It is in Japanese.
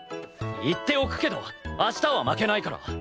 言っておくけど明日は負けないから。